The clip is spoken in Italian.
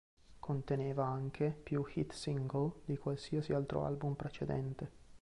Conteneva anche più hit-single di qualsiasi altro album precedente.